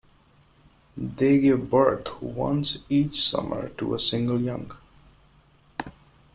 They give birth once each summer, to a single young.